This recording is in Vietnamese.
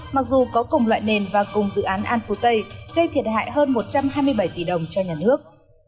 mặc dù có cùng loại nền và cùng dự án an phú tây gây thiệt hại hơn một trăm hai mươi bảy tỷ đồng cho nhà nước